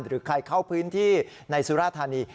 หรือใครเข้าพื้นที่ในสุราธานี